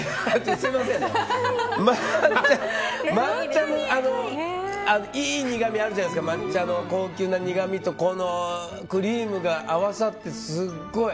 抹茶のいい苦みあるじゃないですか抹茶の高級な苦みとこのクリームが合わさってすごい！